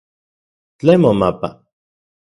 ¿Tlen momapa?